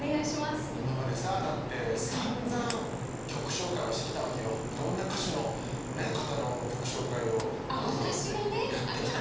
今までさ、だってさんざん曲紹介はしてきたわけよいろんな歌手の方の曲紹介を「どうぞ」ってやってきたけど。